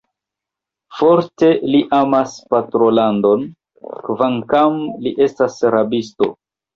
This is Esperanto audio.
Forte li amas patrolandon, kvankam li estas rabisto.